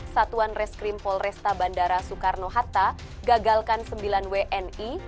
satuan reskrim polresta bandara soekarno hatta gagalkan sembilan wni